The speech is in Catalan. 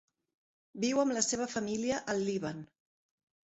Viu amb la seva família al Líban.